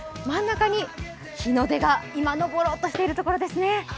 真ん中に日の出が今昇ろうとしているところですね。